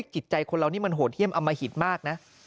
จิตใจคนเรานี่มันโหดเยี่ยมอมหิตมากนะ